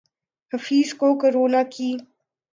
حفیظ کو کرونا کی